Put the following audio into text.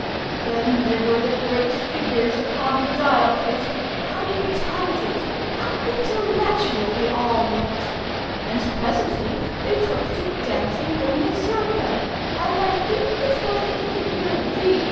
Then there were the great figures upon the dial plate—how intelligent how intellectual, they all looked! And presently they took to dancing the Mazurka, and I think it was the figure V.